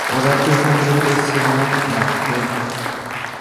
Horatio siempre fue Sir Ian McKellen.